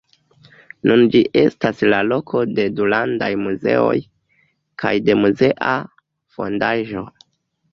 Nun ĝi estas la loko de du landaj muzeoj, kaj de muzea fondaĵo.